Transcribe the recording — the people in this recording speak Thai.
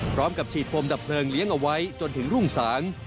พร้อมกับฉีดโฟมดับเพลิงเลี้ยงเอาไว้จนถึงรุ่งสาง